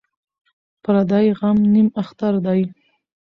ـ پردى غم نيم اختر دى.